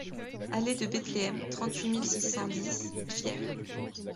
Allée de Bethleem, trente-huit mille six cent dix Gières